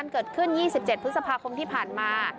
เกิดขึ้น๒๗พฤษภาคมที่ผ่านมา